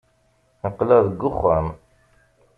Aql-aɣ deg wexxam.